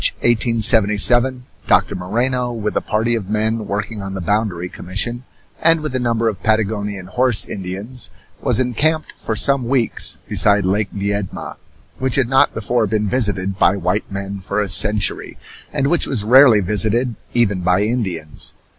In March, 1877, Doctor Moreno with a party of men working on the boundary commission, and with a number of Patagonian horse Indians, was encamped for some weeks beside Lake Viedma, which had not before been visited by white men for a century, and which was rarely visited even by Indians.